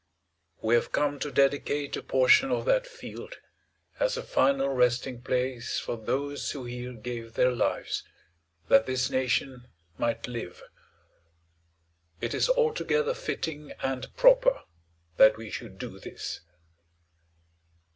We have come to dedicate a portion of that field as a final resting place for those who here gave their lives that this nation might live. It is altogether fitting and proper that we should do this.